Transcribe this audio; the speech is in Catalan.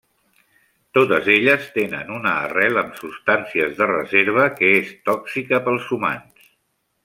Totes elles tenen una arrel amb substàncies de reserva que és tòxica pels humans.